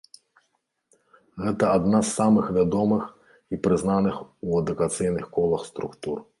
Гэта адна з самых вядомых і прызнаных у адукацыйных колах структур.